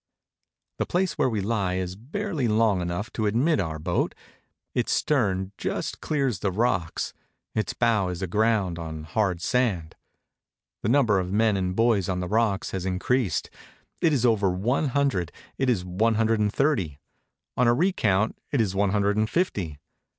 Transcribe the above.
The place where we lie is barely long enough to admit our boat ; its stern just clears the rocks, its bow is aground on hard sand. The number of men and boys on the rocks has increased ; it is oyer one hundred, it is one hundred and thirty; on a re count it is one hundred and fifty.